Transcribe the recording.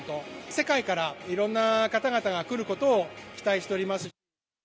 世界からいろんな方々が来ることを期待しております。